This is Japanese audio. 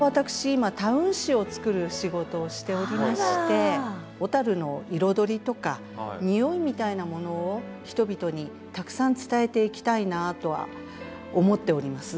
今タウン誌を作る仕事をしておりまして小の彩りとかにおいみたいなものを人々にたくさん伝えていきたいなとは思っております。